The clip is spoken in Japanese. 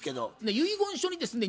遺言書にですね